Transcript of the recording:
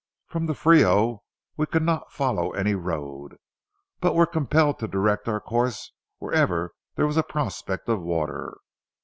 From the Frio we could not follow any road, but were compelled to direct our course wherever there was a prospect of water.